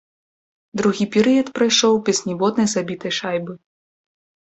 Другі перыяд прайшоў без ніводнай забітай шайбы.